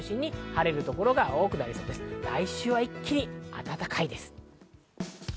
来週は一気に暖かいです。